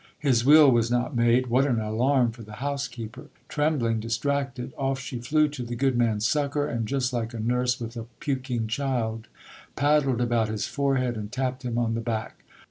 His will was not made. What an alarm for the housekeeper ! Trembling, distracted, off she flew to the good man's succour, and just like a nurse with a puking child, paddled about his forehead and tapped him on the back.